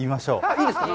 いいですか？